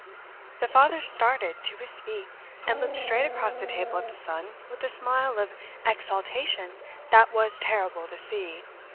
The father started to his feet, and looked straight across the table at the son with a smile of exultation that was terrible to see.